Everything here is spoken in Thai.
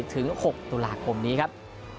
ถึง๖ตุลาคมนี้ครับ